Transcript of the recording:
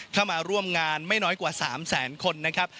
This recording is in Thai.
เข้ามาร่วมงานไม่น้อยกว่า๓แสนคนนะครับ